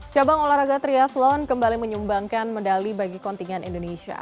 cabang olahraga triathlon kembali menyumbangkan medali bagi kontingen indonesia